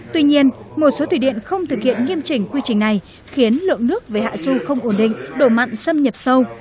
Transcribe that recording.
tuy nhiên một số thủy điện không thực hiện nghiêm chỉnh quy trình này khiến lượng nước về hạ du không ổn định đổ mặn xâm nhập sâu